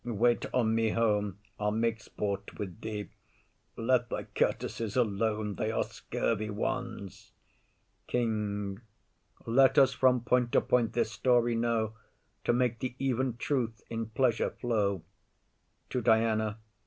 Wait on me home, I'll make sport with thee. Let thy courtesies alone, they are scurvy ones. KING. Let us from point to point this story know, To make the even truth in pleasure flow. [_To Diana.